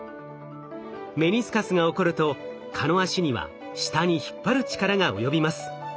メニスカスが起こると蚊の脚には下に引っ張る力が及びます。